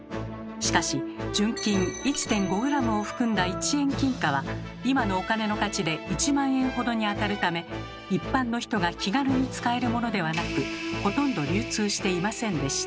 しかし純金１．５ｇを含んだ一円金貨は今のお金の価値で１万円ほどにあたるため一般の人が気軽に使えるものではなくほとんど流通していませんでした。